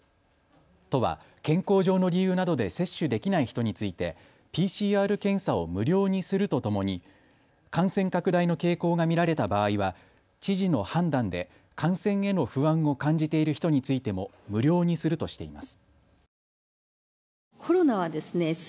都は、健康上の理由などで接種できない人についてＰＣＲ検査を無料にするとともに感染拡大の傾向が見られた場合は知事の判断で感染への不安を感じている人についても無料にするとしています。